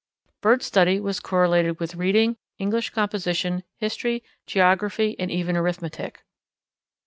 Bird study was correlated with reading, English composition, history, geography, and even arithmetic.